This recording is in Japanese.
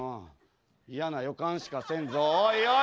嫌な予感しかせんぞおい